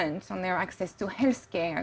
untuk mendapatkan keamanan